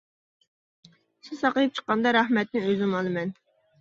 سىز ساقىيىپ چىققاندا رەھمەتنى ئۆزۈم ئالىمەن.